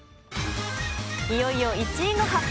いよいよ１位の発表。